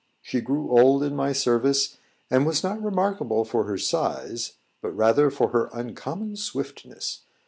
She grew old in my service, and was not remarkable for her size, but rather for her uncommon swiftness.